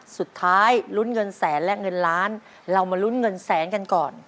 สุดท้ายลุ้นเงินแสนและเงินล้านเรามาลุ้นเงินแสนกันก่อน